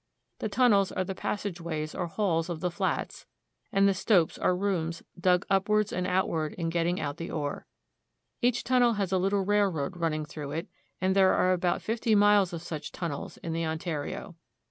The tunnels are the pas sageways or halls of the flats, and the stopes are rooms dug upward and outward in getting out the ore. Each tunnel has a little railroad running through it, and there are about fifty miles of such tunnels in the Ontario.